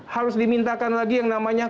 harus dimintakan lagi yang namanya